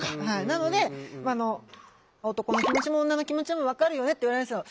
なので男の気持ちも女の気持ちも分かるよねって言われるんですよ。